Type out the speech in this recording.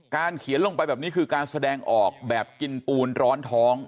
เขียนลงไปแบบนี้คือการแสดงออกแบบกินปูนร้อนท้อง